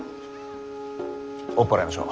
追っ払いましょう。